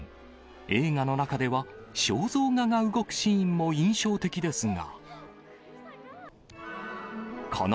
映画の中では、肖像画が動くシーンも印象的ですが。